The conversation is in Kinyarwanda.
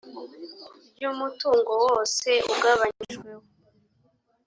ry umutungo wose ugabanyijweho